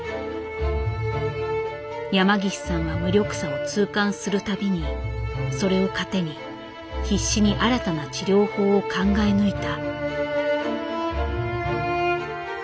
山岸さんは無力さを痛感する度にそれを糧に必死に新たな治療法を考え抜いた。